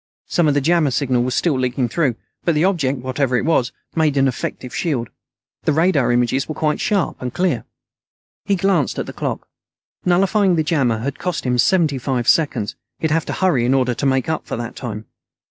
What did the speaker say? Some of the jammer signal was still leaking through, but the object, whatever it was, made an effective shield. The radar images were quite sharp and clear. He glanced at the clock. Nullifying the jammer had cost him seventy five seconds. He'd have to hurry, in order to make up for that time.